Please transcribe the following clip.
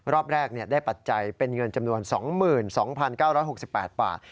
รอบแรกได้ปัจจัยเป็นเงินจำนวน๒๒๙๖๘บาท